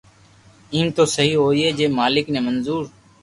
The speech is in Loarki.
ايم تو سھي ھوئئي جي مالڪ ني منظو